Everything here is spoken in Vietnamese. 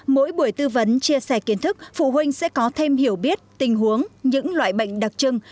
mỗi buổi tư vấn chia sẻ kiến thức phụ huynh sẽ có thêm hiểu biết tình huống những loại bệnh đặc trưng